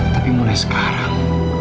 tapi mulai sekarang